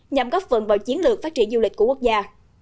nhằm góp phần vào chiến lược phát triển du lịch của quốc gia